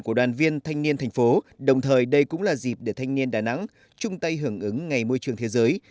của đoàn viên thanh niên thành phố đồng thời đây cũng là dịp để thanh niên đà nẵng chung tay hưởng ứng ngày môi trường thế giới